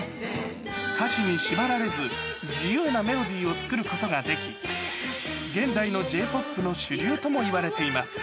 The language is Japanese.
歌詞に縛られず、自由なメロディーを作ることができ、現代のＪーＰＯＰの主流ともいわれています。